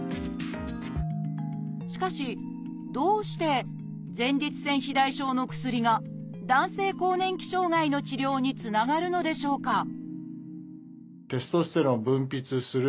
しかしどうして前立腺肥大症の薬が男性更年期障害の治療につながるのでしょうか？